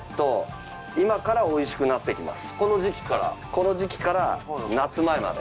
この時期から？